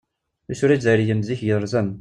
Isura izzayriyen n zik gerrzen.